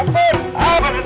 kurang aja ruy